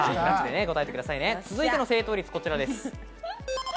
続いての正解率こちらです。